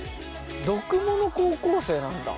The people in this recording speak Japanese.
読モの高校生なんだ。